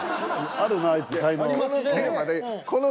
あるなあいつ才能。